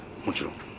もちろん。